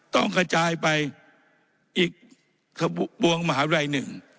ต้องกระจายไปอีกบวงมหาวิทยาลัยหนึ่ง